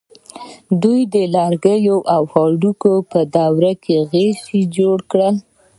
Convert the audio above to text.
دوی د لرګي او هډوکي په دوره کې غشی جوړ کړ.